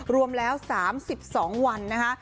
รวมแล้ว๓๒วันนะคะ